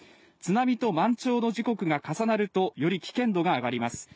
津波と満潮の時刻が重なるとより危険度が高まります。